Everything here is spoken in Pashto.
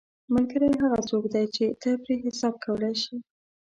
ملګری هغه څوک دی چې ته پرې حساب کولی شې